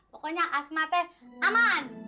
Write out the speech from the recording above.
pokoknya asma tep aman